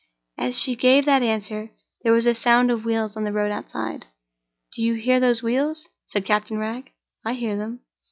As she gave that answer, there was a sound of wheels on the road outside. "You hear those wheels?" said Captain Wragge. "I hear them."